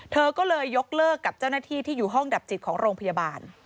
เธอก็เลยยกเลิกกับเจ้าหน้าที่ที่อยู่ห้องดับจิตของโรงพยาบาล